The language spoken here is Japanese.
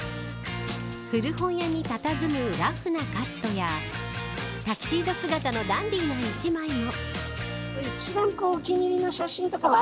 古本屋にたたずむラフなカットやタキシード姿のダンディーな一枚も。